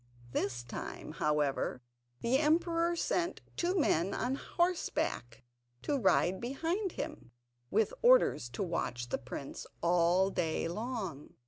This time, however, the emperor sent two men on horseback to ride behind him, with orders to watch the prince all day long.